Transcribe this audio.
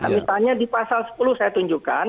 misalnya di pasal sepuluh saya tunjukkan